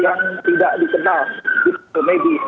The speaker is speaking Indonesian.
yang tidak dikenal gitu megi